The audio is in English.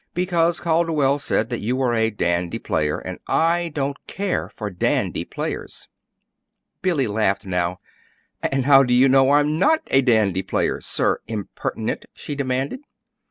"Because Calderwell said that you were a dandy player, and I don't care for dandy players." Billy laughed now. "And how do you know I'm not a dandy player, Sir Impertinent?" she demanded.